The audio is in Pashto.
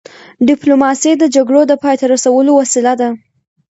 ډيپلوماسي د جګړو د پای ته رسولو وسیله ده.